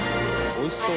おいしそう。